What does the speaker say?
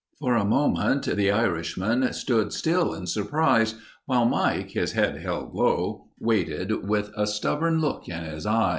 For a moment the Irishman stood still in surprise, while Mike, his head held low, waited with a stubborn look in his eyes.